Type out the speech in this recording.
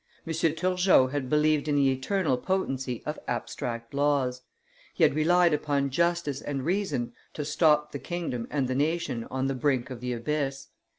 M. Turgot had believed in the eternal potency of abstract laws; he had relied upon justice and reason to stop the kingdom and the nation on the brink of the abyss; M.